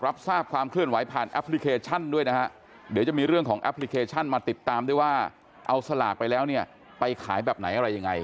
รับทราบความเคลื่อนไหวผ่านแอปพลิเคชันด้วยนะฮะเดี๋ยวจะมีเรื่องของแอปพลิเคชันมาติดตามด้วยว่าเอาสลากไปแล้วเนี่ยไปขายแบบไหนอะไรยังไง